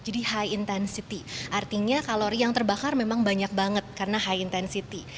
jadi high intensity artinya kalori yang terbakar memang banyak banget karena high intensity